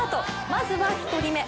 まずは１人目。